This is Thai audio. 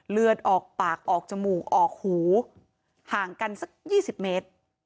เลือดออกปากออกจมูกออกหูห่างกันสัก๒๐เมตร